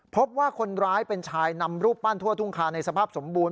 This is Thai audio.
พบว่าคนร้ายเป็นชายนำรูปปั้นทั่วทุ่งคาในสภาพสมบูรณ